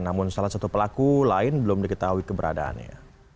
namun salah satu pelaku lain belum diketahui keberadaannya